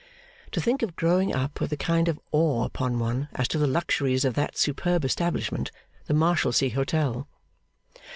To think of growing up with a kind of awe upon one as to the luxuries of that superb establishment, the Marshalsea Hotel!